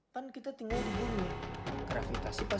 pan kita tinggal di bumi